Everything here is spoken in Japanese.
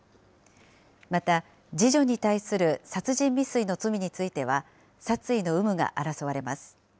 また、次女に対する殺人未遂の罪については、殺意の有無が争われます。